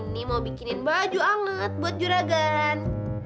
mini mau bikinin baju hangat buat juragan